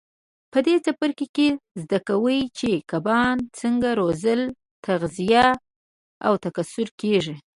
په دې څپرکي کې زده کوئ چې کبان څنګه روزل تغذیه او تکثیر کېږي.